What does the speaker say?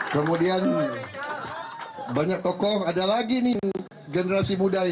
kemudian banyak tokoh ada lagi nih generasi muda